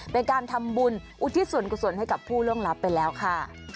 เป็นการทำบุญอุทิศส่วนกุศลให้กับผู้ล่วงลับไปแล้วค่ะ